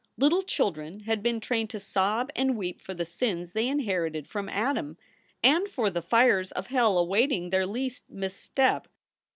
Little children had been trained to sob and weep for the sins they inherited from Adam and for the fires of hell awaiting their least misstep.